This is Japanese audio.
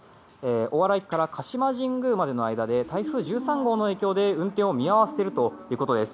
大洗駅から鹿島神宮までの間で台風１３号の影響で運転を見合わせているということです。